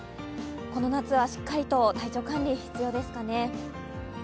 この夏はしっかりと体調管理、必要ですかね。